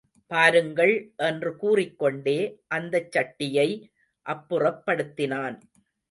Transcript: பாருங்கள் என்று கூறிக்கொண்டே, அந்தச் சட்டியை அப்புறப்படுத்தினான்.